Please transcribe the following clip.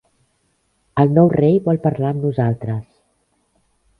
El nou rei vol parlar amb nosaltres.